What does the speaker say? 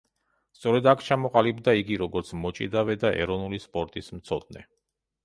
სწორედ აქ ჩამოყალიბდა იგი როგორც მოჭიდავე და ეროვნული სპორტის მცოდნე.